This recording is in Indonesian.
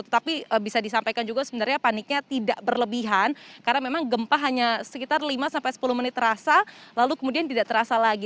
tetapi bisa disampaikan juga sebenarnya paniknya tidak berlebihan karena memang gempa hanya sekitar lima sampai sepuluh menit terasa lalu kemudian tidak terasa lagi